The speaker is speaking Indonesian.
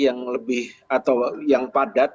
yang lebih atau yang padat